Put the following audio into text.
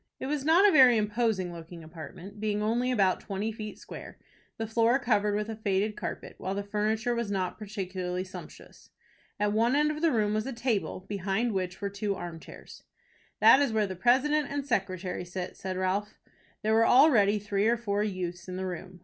It was not a very imposing looking apartment, being only about twenty feet square, the floor covered with a faded carpet, while the furniture was not particularly sumptuous. At one end of the room was a table, behind which were two arm chairs. "That is where the president and secretary sit," said Ralph. There were already three or four youths in the room.